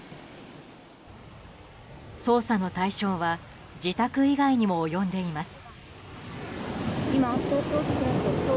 捜査の対象は自宅以外にも及んでいます。